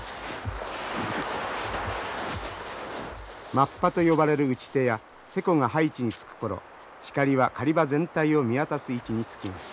マッパと呼ばれる撃ち手や勢子が配置につく頃シカリは狩り場全体を見渡す位置につきます。